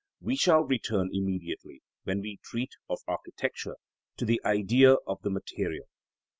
We shall return immediately, when we treat of architecture, to the Idea of the material.